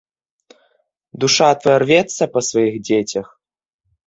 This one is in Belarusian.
Душа твая рвецца па сваіх дзецях?